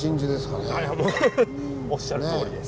おっしゃるとおりです。